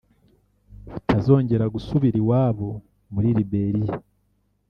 utazongera gusubira iwabo muri Liberia